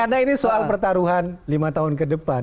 karena ini soal pertaruhan lima tahun ke depan